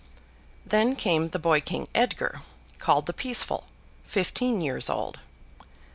Then came the boy king, Edgar, called the Peaceful, fifteen years old.